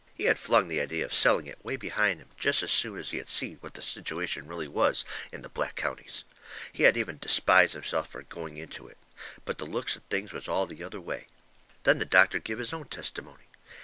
He had flung the idea of selling it way behind him jest as soon as he seen what the situation really was in the black counties. He had even despised himself fur going into it. But the looks of things was all the other way. Then the doctor give his own testimony.